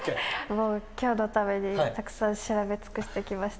もうきょうのためにたくさん調べ尽くしてきました。